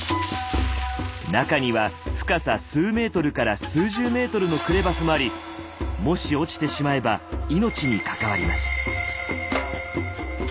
中には深さ数メートルから数十メートルのクレバスもありもし落ちてしまえば命に関わります。